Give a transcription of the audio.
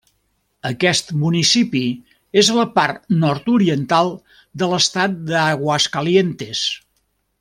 Aquest municipi és a la part nord-oriental de l'estat d'Aguascalientes.